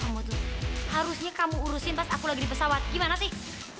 harusnya kamu urusin pas aku lagi di pesawat gimana sih